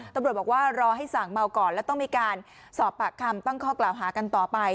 ตำรวจบอกว่ารอให้สั่งเมาก่อนแล้วต้องมีการสอบปากคำตั้งข้อกล่าวหากันต่อไป